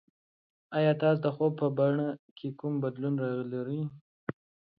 ایا تاسو د خوب په بڼه کې کوم بدلون لرئ؟